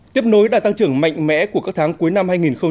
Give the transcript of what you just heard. tiếp nối đại tăng trưởng mạnh mẽ của các tháng cuối năm hai nghìn một mươi bảy